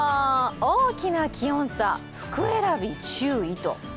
大きな気温差、服選び注意。